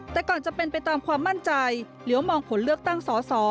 แต่ก่อนจะเป็นไปตามความมั่นใจเลี้ยวมองผลเลือกตั้งสอสอ